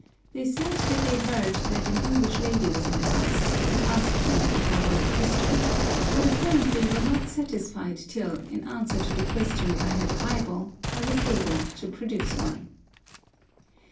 They said that they heard that an English lady was in the house, and asked me if I were a Christian, but apparently were not satisfied till, in answer to the question if I had a Bible, I was able to produce one.